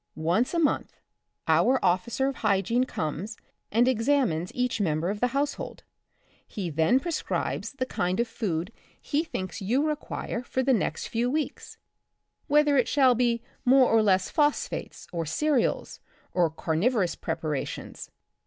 Once a month our Officer of Hygiene comes and examines each member of the household. He then prescribe? the kind of The Republic of the Future. 29 food he thinks you require for the next few weeks, whether it shall be more or less phos phates, or cereals, or carnivorous preparations.